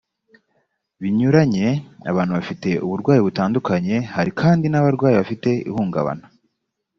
binyuranye abantu bafite uburwayi butandukanye hari kandi n abarwayi bafite ihungabana